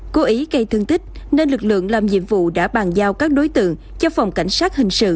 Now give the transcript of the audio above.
ngay thương tích nên lực lượng làm nhiệm vụ đã bàn giao các đối tượng cho phòng cảnh sát hình sự